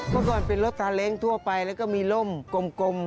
เมื่อก่อนเป็นรถซาเล้งทั่วไปแล้วก็มีร่มกลม